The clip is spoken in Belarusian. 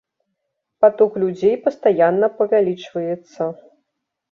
Паток людзей пастаянна павялічваецца.